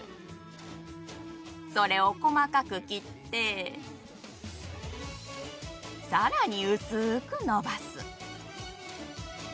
それを細かく切ってさらに薄く伸ばす。